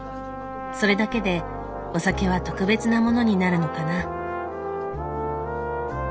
それだけでお酒は特別なものになるのかな。